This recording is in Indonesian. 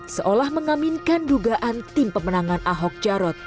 seolah mengaminkan dugaan tim pemenangan ahok jarot